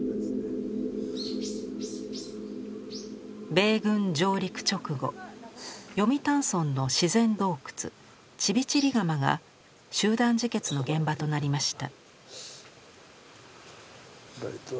米軍上陸直後読谷村の自然洞窟チビチリガマが集団自決の現場となりました。